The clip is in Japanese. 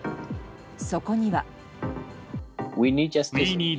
そこには。